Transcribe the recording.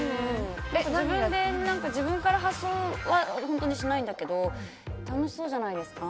自分から仮装は本当にしないんだけど楽しそうじゃないですか？